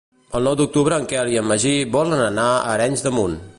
El nou d'octubre en Quel i en Magí volen anar a Arenys de Munt.